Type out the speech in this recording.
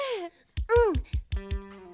うん。